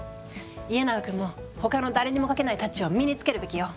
家長くんも他の誰にも描けないタッチを身につけるべきよ。